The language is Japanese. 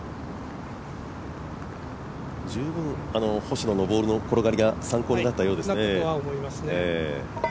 十分、星野のボールの転がりが参考になったと思いますね。